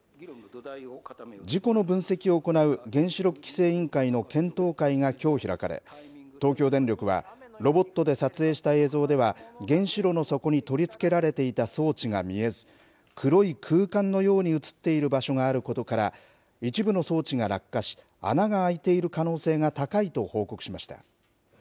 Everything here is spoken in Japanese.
事故の分析を行う原子力規制委員会の検討会がきょう開かれ、東京電力はロボットで撮影した映像では、原子炉の底に取り付けられていた装置が見えず、黒い空間のように写っている場所があることから、一部の装置が落下し、穴が開いている可能性が高いと報告しました。